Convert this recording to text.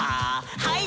はい。